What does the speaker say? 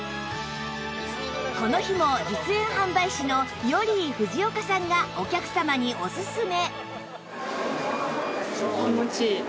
この日も実演販売士のヨリー・フジオカさんがお客様にオススメ